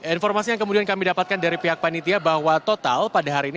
informasi yang kemudian kami dapatkan dari pihak panitia bahwa total pada hari ini